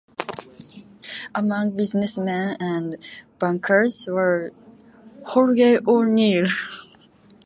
Among businessmen and bankers were Jorge O’Neill.